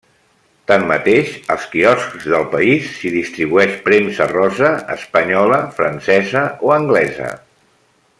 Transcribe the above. Tanmateix, als quioscs del país s'hi distribueix premsa rosa espanyola, francesa o anglesa.